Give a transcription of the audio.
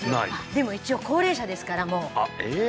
でも一応高齢者ですからもうええ！